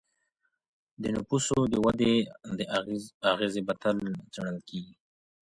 د نفوسو د ودي اغیزې به تل څیړل کیږي.